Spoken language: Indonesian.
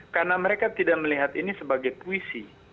karena mereka tidak melihat ini sebagai puisi